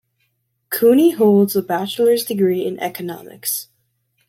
Cooney holds a bachelor's degree in economics.